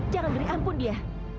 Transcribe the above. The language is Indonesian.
jangan diri ampun dia